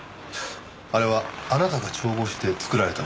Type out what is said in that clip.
あれはあなたが調合して作られたものですか？